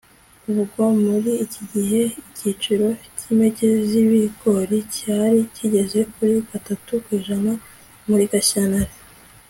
ubwo muri iki gihe, igiciro cy' impeke z'ibigori cyari kigeze kuri gatatu kw'ijana muri gashyantare